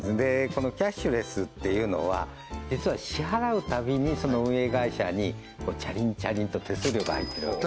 このキャッシュレスっていうのは実は支払うたびにその運営会社にチャリンチャリンと手数料が入ってるわけです